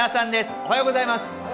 おはようございます。